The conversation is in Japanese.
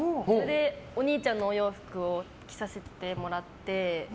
お兄ちゃんのお洋服を着させてもらって。